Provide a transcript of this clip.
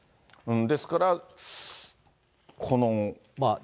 ですから、この。